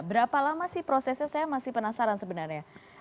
berapa lama sih prosesnya saya masih penasaran sebenarnya